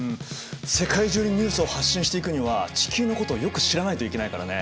世界中にニュースを発信していくには地球のことをよく知らないといけないからね。